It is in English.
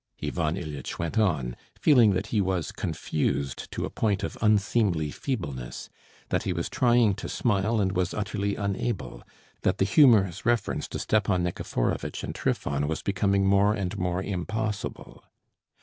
Ivan Ilyitch went on, feeling that he was confused to a point of unseemly feebleness; that he was trying to smile and was utterly unable; that the humorous reference to Stepan Nikiforovitch and Trifon was becoming more and more impossible.